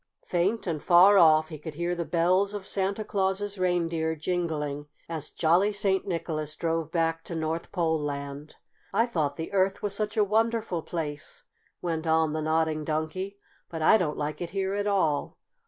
Faint and far off he could hear the bells of Santa Claus' reindeer jingling as jolly St. Nicholas drove back to North Pole Land. "I thought the Earth was such a wonderful place," went on the Nodding Donkey. "But I don't like it here at all."